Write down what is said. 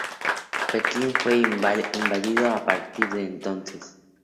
Pekín fue invadido a partir de entonces.